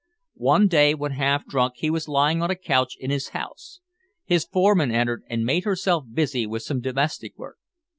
One day when half drunk he was lying on a couch in his house; his forewoman entered and made herself busy with some domestic work.